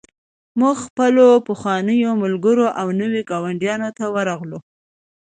موږ خپلو پخوانیو ملګرو او نویو ګاونډیانو ته ورغلو